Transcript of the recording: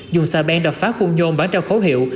dùng xe ben đập phá khung nhôn bán trao khấu hiệu